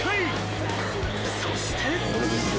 ［そして］